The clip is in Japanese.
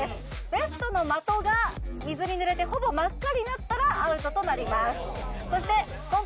ベストの的が水に濡れてほぼまっ赤になったらアウトとなります